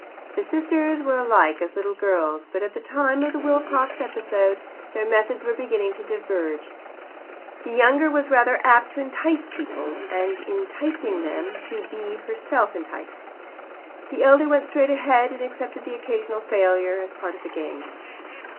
The sisters were alike as little girls, but at the time of the Wilcox episode their methods were beginning to diverge; the younger was rather apt to entice people, and, in enticing them, to be herself enticed; the elder went straight ahead, and accepted an occasional failure as part of the game.